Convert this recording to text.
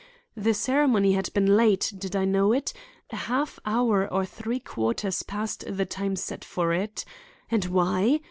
The ceremony had been late; did I know it? A half hour or three quarters past the time set for it. And why?